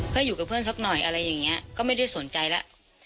ก็อยู่กับเพื่อนสักหน่อยอะไรอย่างนี้ก็ไม่ได้สนใจแล้ว